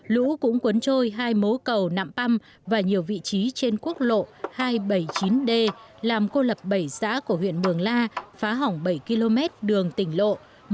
lũ cũng cuốn trôi hai mố cầu nạm păm và nhiều vị trí trên quốc lộ hai trăm bảy mươi chín d làm cô lập bảy xã của huyện mường la phá hỏng bảy km đường tỉnh lộ